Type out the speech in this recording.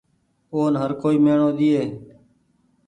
اون هر ڪوئي ميڻو ۮيئي۔